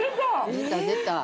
出た出た。